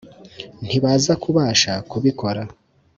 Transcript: ntibazakubasha kubikora.